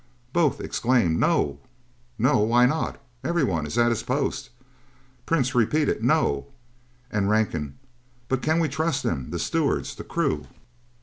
Both exclaimed: "No!" "No? Why not? Everyone is at his post!" Prince repeated, "No!" And Rankin, "But can we trust them? The stewards the crew?"